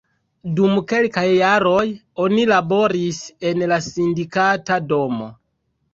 Dum kelkaj jaroj oni laboris en la Sindikata Domo.